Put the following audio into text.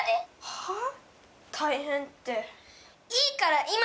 はあ？